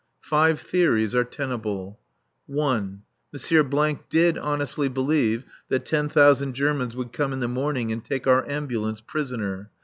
Five theories are tenable: (1.) M. did honestly believe that ten thousand Germans would come in the morning and take our ambulance prisoner.